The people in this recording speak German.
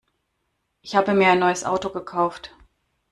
Ich habe mir ein neues Auto gekauft.